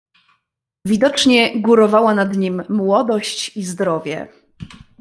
"Widocznie górowała nad nim młodość i zdrowie."